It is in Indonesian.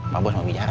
pak bos mau bicara